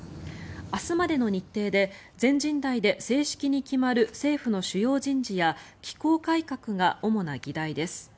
明日までの日程で全人代で正式に決まる政府の主要人事や機構改革が主な議題です。